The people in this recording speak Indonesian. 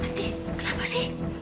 nanti kenapa sih